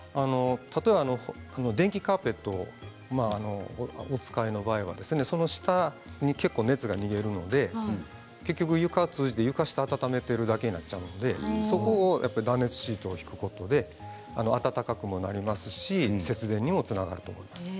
例えば電気カーペットをお使いの場合は下に結構、熱が逃げるので床を通じて床下を温めているだけになるので断熱シートを敷くだけで温かくもなり、節電にもつながります。